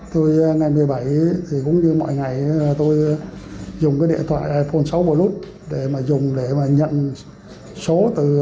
tôi ngày một mươi bảy thì cũng như mọi ngày tôi dùng cái điện thoại iphone sáu plus để mà dùng để mà nhận số